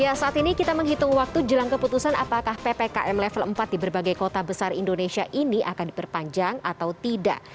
ya saat ini kita menghitung waktu jelang keputusan apakah ppkm level empat di berbagai kota besar indonesia ini akan diperpanjang atau tidak